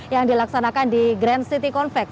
yang dilaksanakan di grand city convex